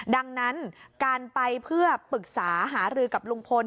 ดังนั้นการไปเพื่อปรึกษาหารือกับลุงพล